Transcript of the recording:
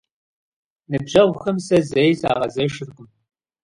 Ныбжьэгъухэм сэ зэи сагъэзэшыркъым.